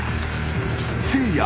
［せいや。